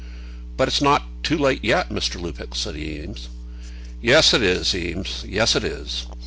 "But it's not too late yet, Mr. Lupex," said Eames. "Yes, it is, Eames, yes, it is."